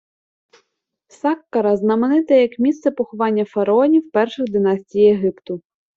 Саккара знаменита як місце поховання фараонів перших династій Єгипту.